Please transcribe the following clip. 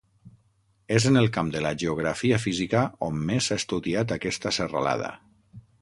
És en el camp de la geografia física on més s'ha estudiat aquesta serralada.